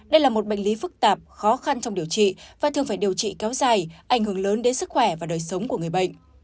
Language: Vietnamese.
đây là một bệnh lý phức tạp khó khăn trong điều trị và thường phải điều trị kéo dài ảnh hưởng lớn đến sức khỏe và đời sống của người bệnh